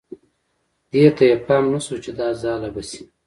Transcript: دې ته یې پام نه شو چې دا ځاله به شي.